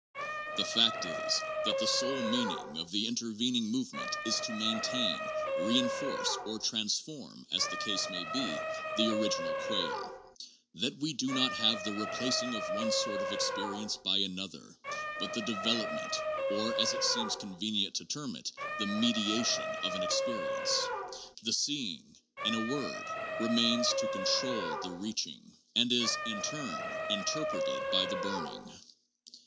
The fact is that the sole meaning of the intervening movement is to maintain, reinforce or transform (as the case may be) the original quale ; that we do not have the replacing of one sort of experience by another, but the development (or as it seems convenient to term it) the mediation of an experience. The seeing, in a word, remains to control the reaching, and is, in turn, inter preted by the burning.